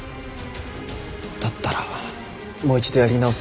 だったらもう一度やり直すだけです。